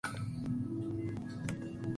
Castelar en ese tiempo tenía zonas de campo.